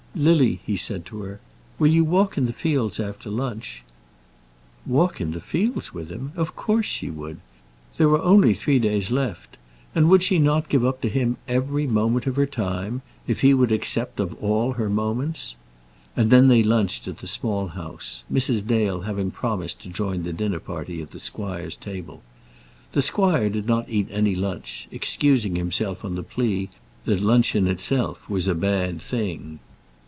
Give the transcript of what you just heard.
"Lily," he said to her, "will you walk in the fields after lunch?" Walk in the fields with him! Of course she would. There were only three days left, and would she not give up to him every moment of her time, if he would accept of all her moments? And then they lunched at the Small House, Mrs. Dale having promised to join the dinner party at the squire's table. The squire did not eat any lunch, excusing himself on the plea that lunch in itself was a bad thing.